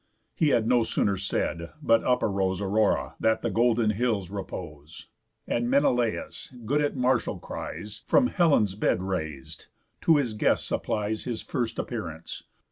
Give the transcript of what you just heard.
He had no sooner said, but up arose Aurora, that the golden hills repose. And Menelaus, good at martial cries, From Helen's bed rais'd, to his guest applies His first appearance.